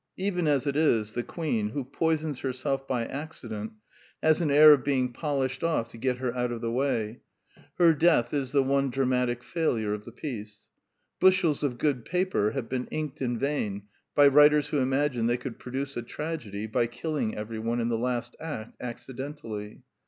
Even as it is, the Queen, who poisons herself by accident, has an air of being The Technical Novelty 223 polished oS to get her out of the way: her death is the one dramatic failure of the piece. Bushels of good paper have been inked in vain by writers who imagined they could produce a tragedy by killing everyone in the last act accidentally.